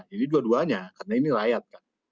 jadi dua duanya karena ini rakyat kan